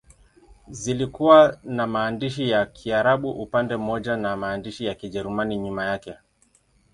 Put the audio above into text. Zilikuwa na maandishi ya Kiarabu upande mmoja na maandishi ya Kijerumani nyuma yake.